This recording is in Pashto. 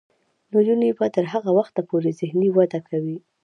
نجونې به تر هغه وخته پورې ذهني وده کوي.